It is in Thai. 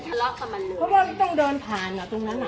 ความสงสัยที่เขาไม่ได้การนำมา